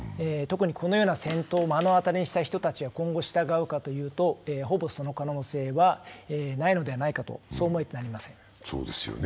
特にこのような戦闘を目の当たりにした人たちが今後従うかというとほぼその可能性はないのではないかと思えてなりません。